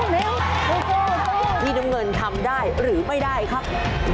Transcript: แล้วพี่น้ำเงินทำได้หรือไม่ได้ครับ